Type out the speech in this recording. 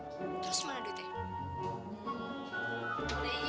terus mana duitnya